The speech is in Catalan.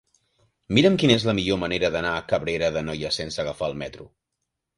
Mira'm quina és la millor manera d'anar a Cabrera d'Anoia sense agafar el metro.